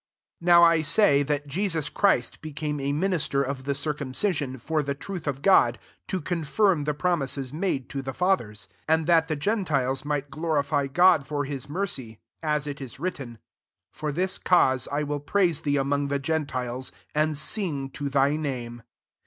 8 Now I say, that [Jtsua] Christ became a minister of the circumcision, for the truth of God, to confirm the pro mises made to the fathers: 9 and that the gentiles might glorify God for his mercy ; as it is written, " For this cause I will praise thee among the gen tiles, and sing to thy name.